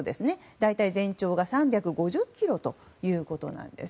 大体全長が３５０ｋｍということなんです。